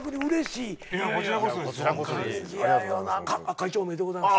会長おめでとうございます。